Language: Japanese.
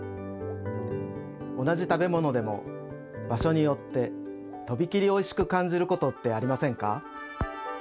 同じ食べものでも場所によってとびきりおいしくかんじることってありませんか？